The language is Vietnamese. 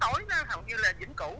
hầu như là dính củ